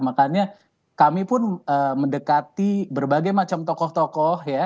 makanya kami pun mendekati berbagai macam tokoh tokoh ya